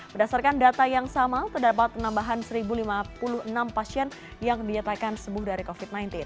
berdasarkan data yang sama terdapat penambahan satu lima puluh enam pasien yang dinyatakan sembuh dari covid sembilan belas